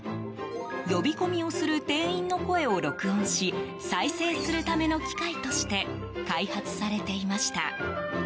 呼び込みをする店員の声を録音し再生するための機械として開発されていました。